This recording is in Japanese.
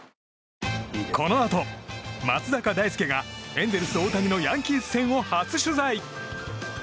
このあと、松坂大輔がエンゼルス、大谷のヤンキース戦を初取材！